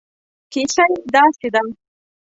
کیسه یې داسې ده.